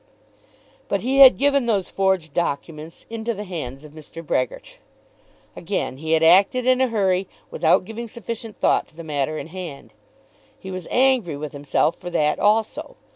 But he had given those forged documents into the hands of Mr. Brehgert! Again he had acted in a hurry, without giving sufficient thought to the matter in hand. He was angry with himself for that also.